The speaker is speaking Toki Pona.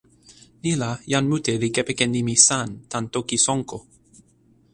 ni la, jan mute li kepeken nimi “san” tan toki Sonko.